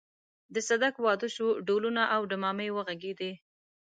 د صدک واده شو ډهلونه او ډمامې وغږېدې.